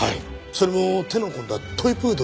それも手の込んだトイプードルの。